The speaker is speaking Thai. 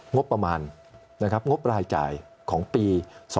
งบประมาณงบรายจ่ายของปี๒๕๖๓